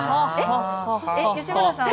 吉村さん？